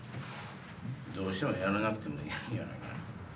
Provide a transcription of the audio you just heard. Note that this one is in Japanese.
どうしてもやらなくてもいいんじゃないかな。